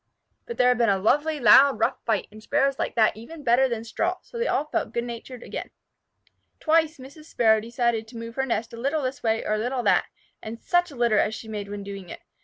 But they had had a lovely, loud, rough fight, and Sparrows like that even better than straw, so they all felt good natured again. Twice Mrs. Sparrow decided to move her nest a little this way or a little that, and such a litter as she made when doing it!